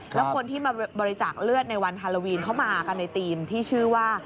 แล้วคนที่มาบริจาคเลือดในวันฮาโลวีนเข้ามากันในทีมที่ชื่อว่า